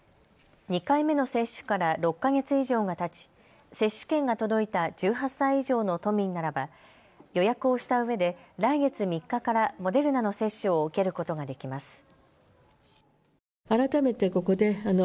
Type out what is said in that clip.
２回目の接種から６か月以上がたち接種券が届いた１８歳以上の都民ならば予約をしたうえで来月３日からモデルナの接種を受けることができます。